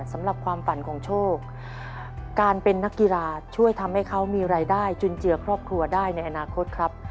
สำหรับความฝันของโชคการเป็นนักกีฬาช่วยทำให้เขามีรายได้จุนเจือครอบครัวได้ในอนาคตครับ